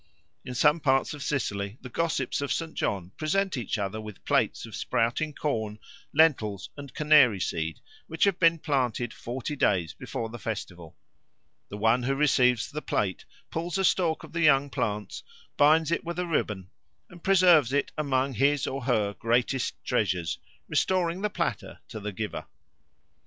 In some parts of Sicily the gossips of St. John present each other with plates of sprouting corn, lentils, and canary seed, which have been planted forty days before the festival. The one who receives the plate pulls a stalk of the young plants, binds it with a ribbon, and preserves it among his or her greatest treasures, restoring the platter to the giver.